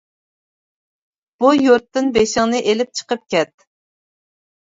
بۇ يۇرتتىن بېشىڭنى ئېلىپ چىقىپ كەت.